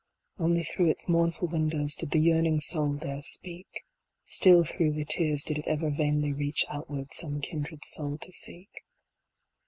Only through its mournful windows did the yearning soul dare speak ; Still through the tears did it ever vainly reach outward some kindred soul to seek.